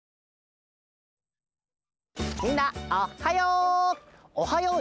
みんなおっはよう！